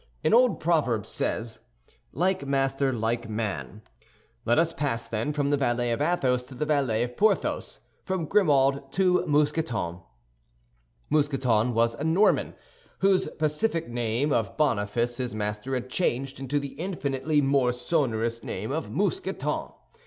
An old proverb says, "Like master, like man." Let us pass, then, from the valet of Athos to the valet of Porthos, from Grimaud to Mousqueton. Mousqueton was a Norman, whose pacific name of Boniface his master had changed into the infinitely more sonorous name of Mousqueton.